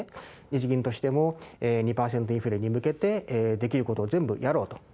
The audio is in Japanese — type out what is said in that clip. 日銀としても、２％インフレに向けて、できることを全部やろうと。